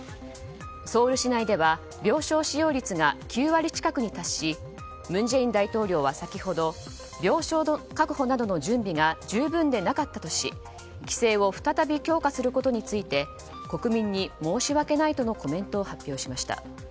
ソウル市内では、病床使用率が９割近くに達し文在寅大統領は先ほど病床の確保などの準備が十分でなかったとし規制を再び強化することについて国民に申し訳ないとのコメントを発表しました。